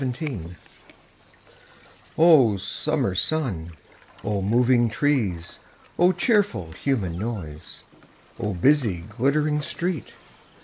O Summer sun, O moving trees! O cheerful human noise, O busy glittering street!